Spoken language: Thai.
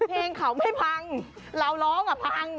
เพลงเขาไม่พังเราร้องอ่ะพัง